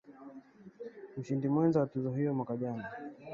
Mshindi mwenza wa tuzo hiyo mwaka jana